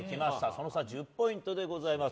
その差１０ポイントでございます。